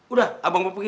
udah abang mau pergi